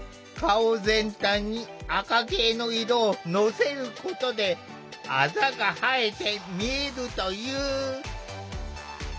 顔全体に赤系の色をのせることであざが映えて見えるという。